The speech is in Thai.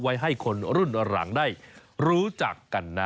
ไว้ให้คนรุ่นหลังได้รู้จักกันนะ